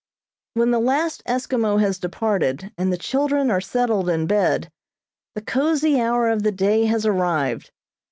When the last Eskimo has departed, and the children are settled in bed, the cozy hour of the day has arrived.